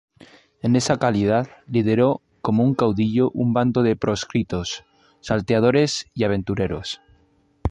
En esa calidad, lideró como un caudillo un bando de proscritos, salteadores y aventureros.